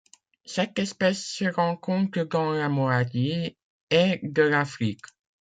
Cette espèce se rencontre dans la moitié Est de l'Afrique.